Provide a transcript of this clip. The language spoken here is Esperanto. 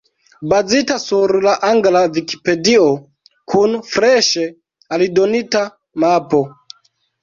Bazita sur la angla Vikipedio, kun freŝe aldonita mapo.